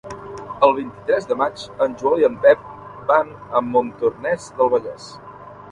El vint-i-tres de maig en Joel i en Pep van a Montornès del Vallès.